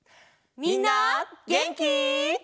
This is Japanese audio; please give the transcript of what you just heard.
みんなげんき？